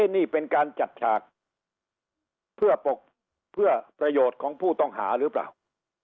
นี่เป็นการจัดฉากเพื่อปกเพื่อประโยชน์ของผู้ต้องหาหรือเปล่า